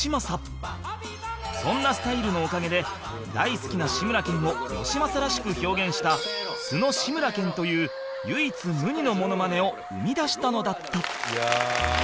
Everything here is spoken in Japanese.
そんなスタイルのおかげで大好きな志村けんをよしまさらしく表現した素の志村けんという唯一無二のモノマネを生み出したのだった